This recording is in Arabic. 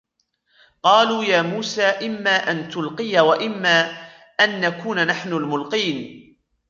قَالُوا يَا مُوسَى إِمَّا أَنْ تُلْقِيَ وَإِمَّا أَنْ نَكُونَ نَحْنُ الْمُلْقِينَ